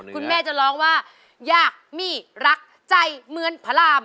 คุณแม่จะร้องว่ายากมี่รักใจเหมือนพระราม